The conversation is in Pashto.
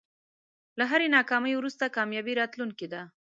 له هری ناکامۍ وروسته کامیابي راتلونکی ده.